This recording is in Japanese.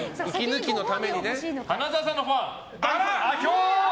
花澤さんのファン！